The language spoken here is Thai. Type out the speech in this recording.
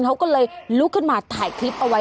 เขาก็เลยลุกขึ้นมาถ่ายคลิปเอาไว้